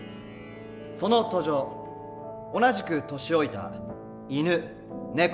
その途上同じく年老いたイヌネコ